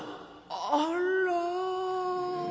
あら」。